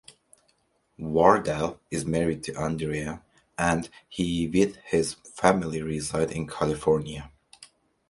Vardell is married to Andrea, and he with his family reside in California.